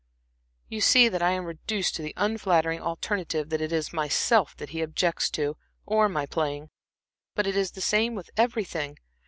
"You see that I am reduced to the unflattering alternative that it is myself that he objects to or my playing. But it is the same with everything.